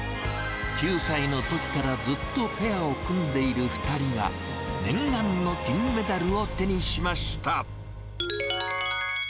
９歳のときからずっとペアを組んでいる２人が、念願の金メダルを手にしました。